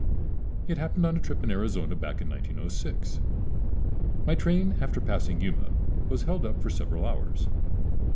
It happened on a trip in Arizona back in 1906. My train after passing Yuma was held up for several hours.